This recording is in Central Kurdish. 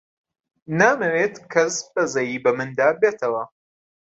نامەوێت کەس بەزەیی بە مندا بێتەوە.